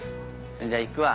じゃあ行くわ。